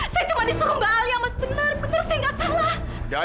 saya cuma disuruh mbak alia mas bener bener saya gak salah